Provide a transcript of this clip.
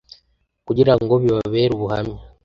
kugira ngo bibabere ubuhamya